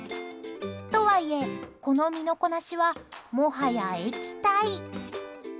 とはいえ、この身のこなしはもはや液体。